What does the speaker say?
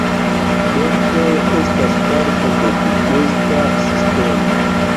Dentoj estas parto de digesta sistemo.